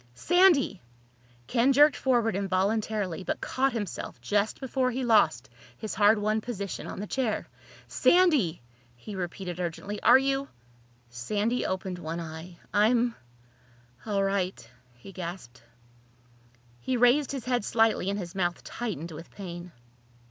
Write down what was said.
"Sandy!" Ken jerked forward involuntarily but caught himself just before he lost his hard won position on the chair. "Sandy!" he repeated urgently. "Are you—?" Sandy opened one eye. "I'm—all right," he gasped. He raised his head slightly and his mouth tightened with pain.